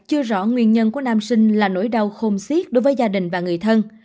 chưa rõ nguyên nhân của nam sinh là nỗi đau khôn siết đối với gia đình và người thân